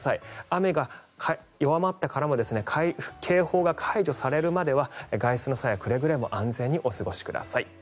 雨が弱まってからも警報が解除されるまでは外出の際はくれぐれも安全にお過ごしください。